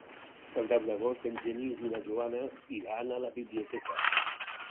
El deu d'agost en Genís i na Joana iran a la biblioteca.